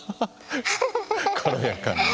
軽やかに。